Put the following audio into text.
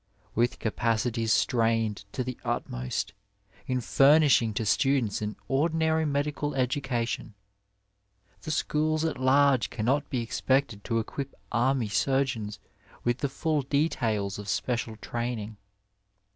With capacities strained to the utmost in furnishing to students an ordinary medical education, the schoob at large cannot be expected to equip army surgeons with the fall details of special training.